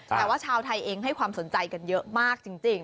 แต่ว่าชาวไทยเองให้ความสนใจกันเยอะมากจริง